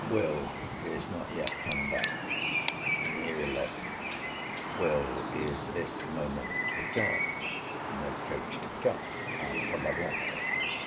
Will. is not yet come back. Near eleven. Will. is this moment returned. No coach to be got, either for love or money.